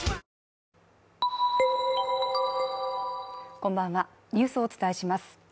こんばんは、ニュースをお伝えします。